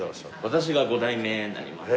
私が５代目になります。